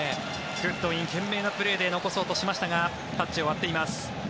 グッドウィン賢明なプレーで残そうとしましたがタッチを割っています。